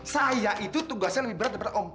saya itu tugasnya lebih berat daripada empat